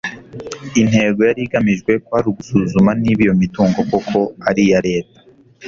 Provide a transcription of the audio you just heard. intego yari igamijwe kwari ugusuzuma niba iyo mitungo koko ari iya leta